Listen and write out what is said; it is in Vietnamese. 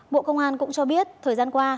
bộ công an cũng cho biết thời gian qua